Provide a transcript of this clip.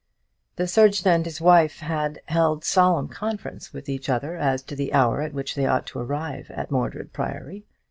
The surgeon and his wife had held solemn conference with each other as to the hour at which they ought to arrive at Mordred Priory.